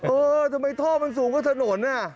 เออทำไมท่อมันสูงกว่าถนนน่ะ